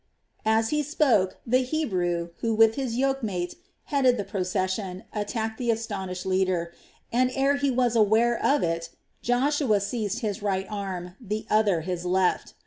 As he spoke the Hebrew, who, with his yoke mate, headed the procession, attacked the astonished leader, and ere he was aware of it, Joshua seized his right arm, the other his left.